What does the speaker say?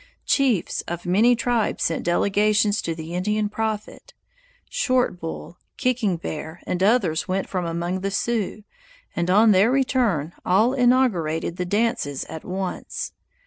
Chiefs of many tribes sent delegations to the Indian prophet; Short Bull, Kicking Bear, and others went from among the Sioux, and on their return all inaugurated the dances at once.